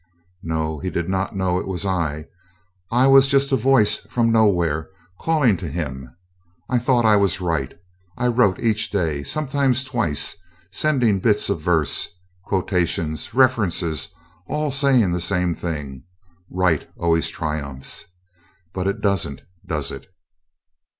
"No; he did not know it was I. I was just a Voice from nowhere calling to him. I thought I was right. I wrote each day, sometimes twice, sending bits of verse, quotations, references, all saying the same thing: Right always triumphs. But it doesn't, does it?"